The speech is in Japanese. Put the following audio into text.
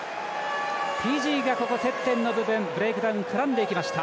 フィジーが接点の部分ブレイクダウン絡んでいきました。